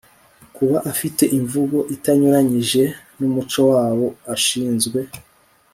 kuba afite imvugo itanyuranyije n'umuco w'abo ashinzwe